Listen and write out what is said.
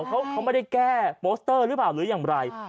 เขาไม่ได้แก้โปสเตอร์หรือเปล่าหรืออย่างไร